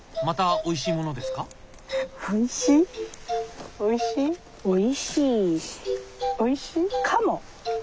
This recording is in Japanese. おいしいかも？